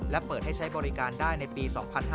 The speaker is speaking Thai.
และเปิดให้ใช้บริการได้ในปี๒๕๕๙